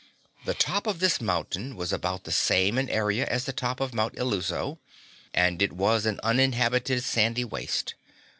The top of this mountain was about the same in area as the top of Mount Illuso, and it was an uninhabited sandy waste.